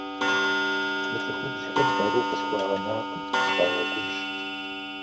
Мы цӏыхубзхэм къару къысхуагъэнакъым, сыкъагъэгубжь.